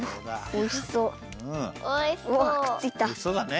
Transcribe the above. おいしそうだね。